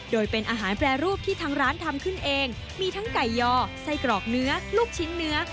โดยเป็นอาหารแปรรูปที่ทางร้านทำขึ้นเองมีทั้งไก่ยอไส้กรอกเนื้อลูกชิ้นเนื้อ